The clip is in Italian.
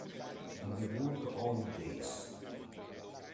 In the Good Old Days